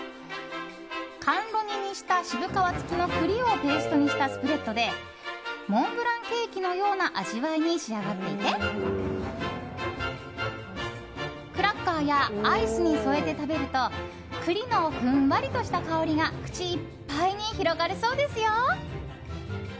甘露煮にした渋皮付きの栗をペーストにしたスプレッドでモンブランケーキのような味わいに仕上がっていてクラッカーやアイスに添えて食べると栗のふんわりとした香りが口いっぱいに広がるそうですよ。